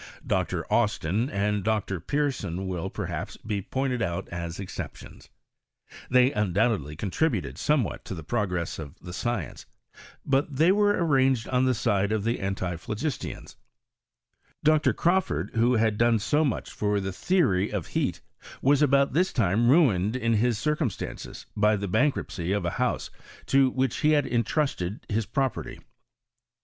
Dr. Austin and Dr. Pearson will, perhaps, be pointed out as exceptions. They undoubtedly contributed somewhat to the I progress of the science. But they were arranged on HISTO&T 0> CHEJIISTKT. I I the aide of the antiphlogUtians. Dr. Crawford, who had doDe so much for the theory of heat, was about this time ruined iu his circumstances by [he bank ruptcy of a house to which he had intrusted his property.